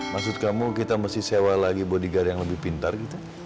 maksud kamu kita mesti sewa lagi body guard yang lebih pintar gitu